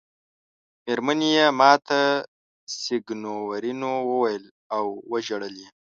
مېرمنې یې ما ته سېګنورینو وویل او ژړل یې.